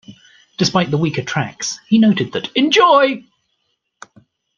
Despite the weaker tracks, he noted that Enjoy!